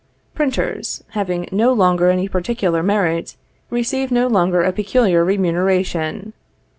Printers, having no longer any peculiar merit, receive no longer a peculiar remuneration.